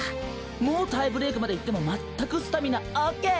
もうタイブレークまでいってもまったくスタミナオッケー！